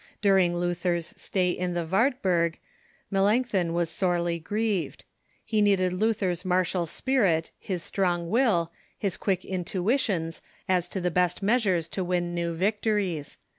During Luther's stay in the Wartburg, Melanchthon was sorely grieved. He needed Luther's martial spirit, his strong will, his quick intuitions as to the best measures to win new victories.